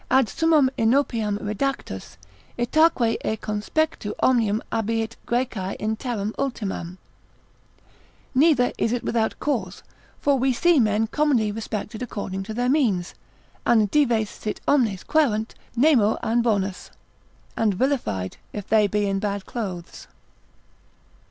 ———ad summam inopiam redactus, Itaque e conspectu omnium abiit Graeciae in terram ultimam. Neither is it without cause, for we see men commonly respected according to their means, (an dives sit omnes quaerunt, nemo an bonus) and vilified if they be in bad clothes.